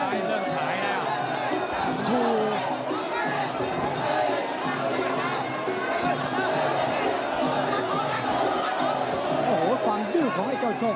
ตามต่อยกที่สองครับ